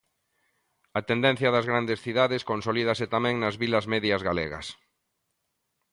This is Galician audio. A tendencia das grandes cidades consolídase tamén nas vilas medias galegas.